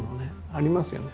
ありますよね。